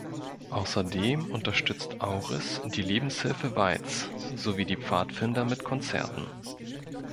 Außerdem unterstützt Auris die Lebenshilfe Weiz, sowie die Pfadfinder mit Konzerten.